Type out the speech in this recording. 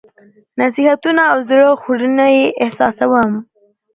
نصيحتونه او زړه خوړنه یې احساسوم.